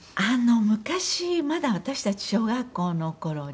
昔まだ私たち小学校の頃に。